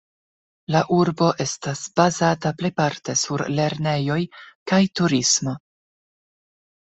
La urbo estas bazata plejparte sur lernejoj kaj turismo.